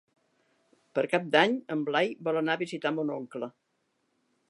Per Cap d'Any en Blai vol anar a visitar mon oncle.